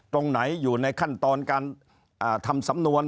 ตรงไหนอยู่ในขั้นตอนการทำสำนวน